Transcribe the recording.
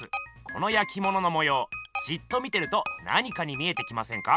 このやきもののもようじっと見てると何かに見えてきませんか？